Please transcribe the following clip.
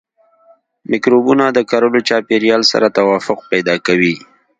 مکروبونه د کرلو چاپیریال سره توافق پیدا کوي.